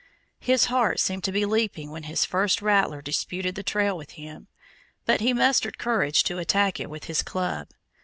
His heart seemed to be leaping when his first rattler disputed the trail with him, but he mustered courage to attack it with his club.